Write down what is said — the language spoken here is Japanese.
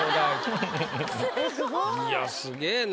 いやすげぇな。